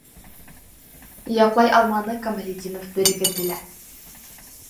Яҡлай алманы Камалетдинов берегеҙҙе лә...